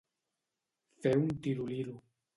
Fer un tiroliro.